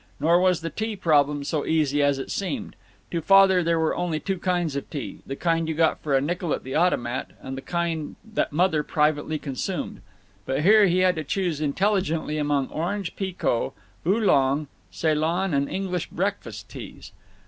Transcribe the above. Nor was the tea problem so easy as it had seemed. To Father there were only two kinds of tea the kind you got for a nickel at the Automat, and the kind that Mother privately consumed. But here he had to choose intelligently among orange pekoe, oolong, Ceylon, and English breakfast teas.